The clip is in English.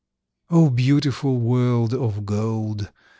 O, beautiful world of gold!